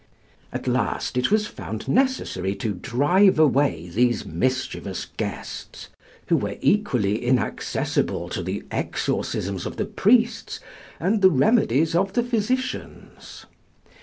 At last it was found necessary to drive away these mischievous guests, who were equally inaccessible to the exorcisms of the priests and the remedies of the physicians.